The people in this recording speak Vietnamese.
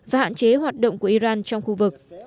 và hạn chế hoạt động của iran trong khu vực